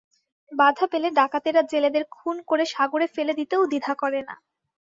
বাধা পেলে ডাকাতেরা জেলেদের খুন করে সাগরে ফেলে দিতেও দ্বিধা করে না।